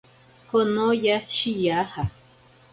Konoya shiyaja.